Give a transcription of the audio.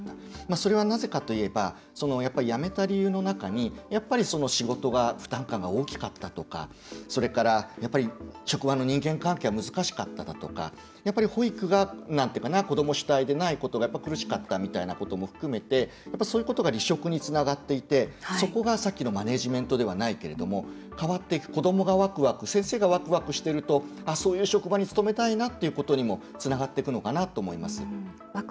それは、なぜかといえば辞めた理由の中に、やっぱり仕事が負担感が大きかったとかそれから、職場の人間関係が難しかっただとか保育が子ども主体でないことが苦しかったみたいなことも含めてそういうことが離職につながっていてそこが、さっきのマネジメントではないけれど変わっていく、子どもがワクワク先生がワクワクしてるとそういう職場に勤めたいなっていうことにもつながっていくのかなと思います。